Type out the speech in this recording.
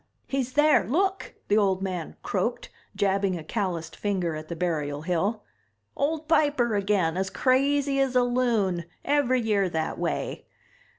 HE'S THERE! LOOK!" the old man croaked, jabbing a calloused finger at the burial hill. "Old Piper again! As crazy as a loon! Every year that way!"